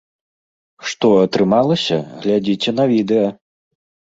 Што атрымалася, глядзіце на відэа!